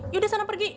yaudah sana pergi